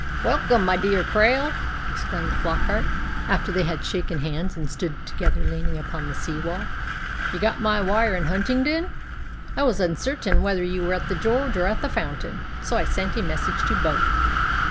"Well, my dear Krail," exclaimed Flockart, after they had shaken hands and stood together leaning upon the sea wall, "you got my wire in Huntingdon? I was uncertain whether you were at the 'George' or at the 'Fountain,' so I sent a message to both."